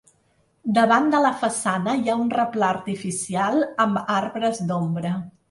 Davant de la façana hi ha un replà artificial amb arbres d'ombra.